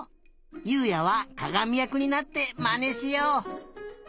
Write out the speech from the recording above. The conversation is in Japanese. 優海也はかがみやくになってまねしよう。